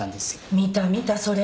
見た見たそれ。